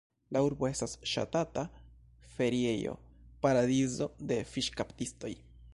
La urbo estas ŝatata feriejo, paradizo de fiŝkaptistoj.